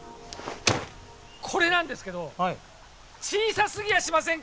これなんですけど小さすぎやしませんか！？